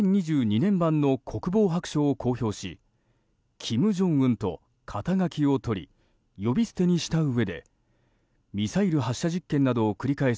年版の国防白書を公表し金正恩と肩書きを取り呼び捨てにしたうえでミサイル発射実験などを繰り返す